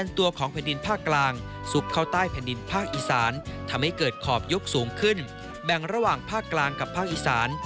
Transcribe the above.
ตัวของแผ่นดินภาคกลางสุกเข้าใต้แผ่นดินภาคอีสานทำให้เกิดขอบยกสูงขึ้นแบ่งระหว่างภาคกลางกับภาคอีสาน